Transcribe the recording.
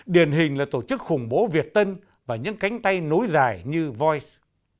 điển hình là tổ chức khủng bố việt tân và những cánh tay nối dài như voice